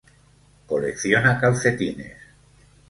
Colecciona calcetines.